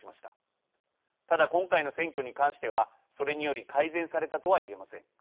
ただ今回の選挙に関してはそれにより改善されたとは言えません。